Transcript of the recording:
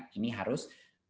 nah ini harus